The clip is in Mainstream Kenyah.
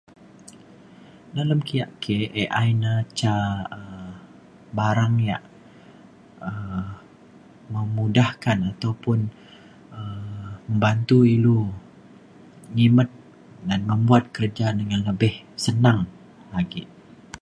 Dalem kiok ke AI na ca um barang yak um memudahkan ataupun um membantu ilu ngimet dan membuat kerja dengan lebih senang lagi.